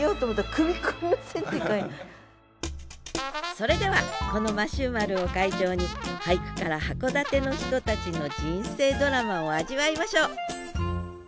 それではこの摩周丸を会場に俳句から函館の人たちの人生ドラマを味わいましょう。